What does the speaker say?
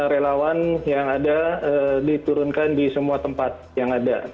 relawan yang ada diturunkan di semua tempat yang ada